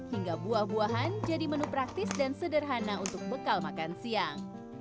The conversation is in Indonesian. hingga buah buahan jadi menu praktis dan sederhana untuk bekal makan siang